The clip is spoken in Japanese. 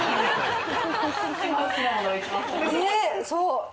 そう。